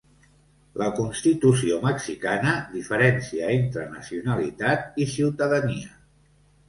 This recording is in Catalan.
La constitució mexicana diferencia entre nacionalitat i ciutadania.